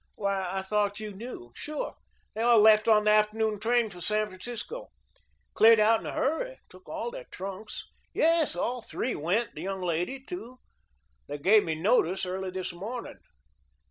"Why, I thought you knew. Sure, they all left on the afternoon train for San Francisco. Cleared out in a hurry took all their trunks. Yes, all three went the young lady, too. They gave me notice early this morning.